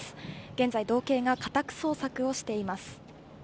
現在、道警が家宅捜索をしています。